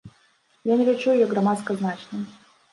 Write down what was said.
Я не лічу яе грамадска значнай.